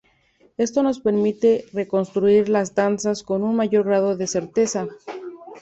Estos nos permiten reconstruir las danzas con un mayor grado de certeza.